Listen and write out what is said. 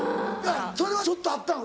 それはちょっとあったん？